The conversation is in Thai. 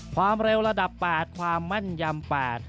ความเร็วระดับ๘ความมั่นยำ๘